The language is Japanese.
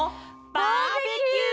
バーベキュー！